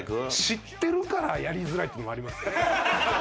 知ってるからやりづらいっていうのもありますね。